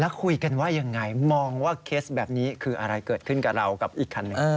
แล้วคุยกันว่ายังไงมองว่าเคสแบบนี้คืออะไรเกิดขึ้นกับเรากับอีกคันหนึ่ง